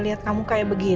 liat kamu kayak begini